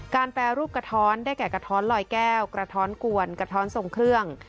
แปรรูปกระท้อนได้แก่กระท้อนลอยแก้วกระท้อนกวนกระท้อนทรงเครื่อง